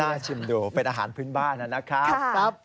ชิมดูเป็นอาหารพื้นบ้านนะครับ